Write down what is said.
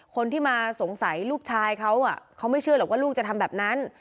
คนที่มาสงสัยลูกชายเขาเขาไม่เชื่อหรอกว่าลูกจะทำแบบนั้น